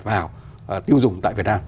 vào tiêu dùng tại việt nam